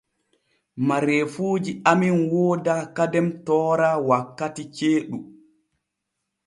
Mareefuuji amen wooda kadem toora wakkiti jeeɗu.